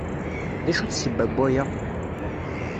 D acu d ssebba n waya?